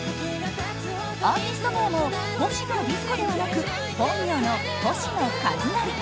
アーティスト名もほしのディスコではなく本名の星野一成。